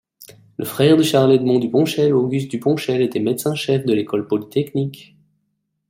Le frère de Charles-Edmond Duponchel, Auguste Duponchel, était médecin-chef de l'École Polytechnique.